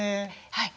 はい。